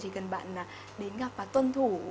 chỉ cần bạn đến gặp và tuân thủ